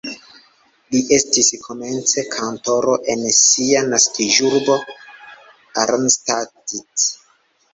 Li estis komence kantoro en sia naskiĝurbo Arnstadt.